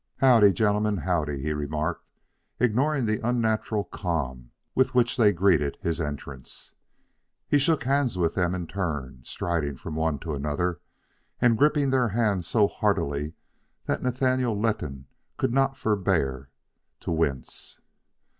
"Howdy, gentlemen, howdy," he remarked, ignoring the unnatural calm with which they greeted his entrance. He shook hands with them in turn, striding from one to another and gripping their hands so heartily that Nathaniel Letton could not forbear to wince.